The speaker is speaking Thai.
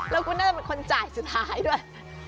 แล้วคุณน่าจะเป็นคนจ่ายสุดท้ายด้วย